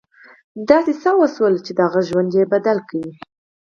داسې څه وشول چې د هغه ژوند یې بدل کړ